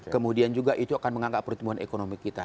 kemudian juga itu akan mengangkat pertumbuhan ekonomi kita